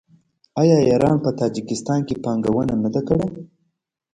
آیا ایران په تاجکستان کې پانګونه نه ده کړې؟